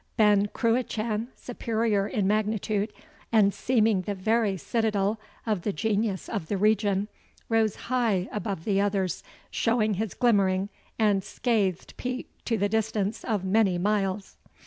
Ben Cruachan, superior in magnitude, and seeming the very citadel of the Genius of the Region, rose high above the others, showing his glimmering and scathed peak to the distance of many miles.